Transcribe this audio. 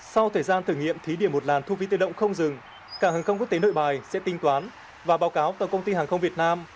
sau thời gian thử nghiệm thí điểm một làn thu phí tự động không dừng cảng hàng không quốc tế nội bài sẽ tính toán và báo cáo tổng công ty hàng không việt nam